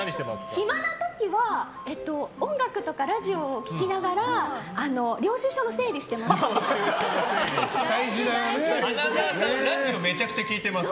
暇な時は音楽とかラジオを聴きながら領収書の整理してます。